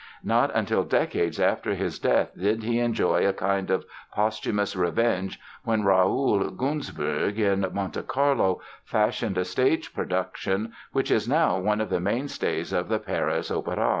Not until decades after his death did he enjoy a kind of posthumous revenge when Raoul Gunsbourg, in Monte Carlo, fashioned a stage production which is now one of the mainstays of the Paris Opéra.